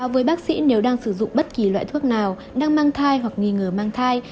với bác sĩ nếu đang sử dụng bất kỳ loại thuốc nào đang mang thai hoặc nghi ngờ mang thai